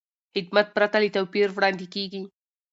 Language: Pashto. خدمت پرته له توپیر وړاندې کېږي.